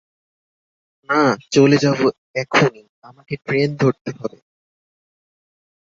না চলে যাবো এখুনি, আমাকে ট্রেন ধরতে হবে।